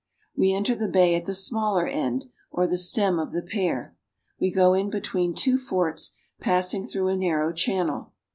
We enter the bay at the smaller end, or the stem of the pear. We go in between two forts, passing through a narrow channel.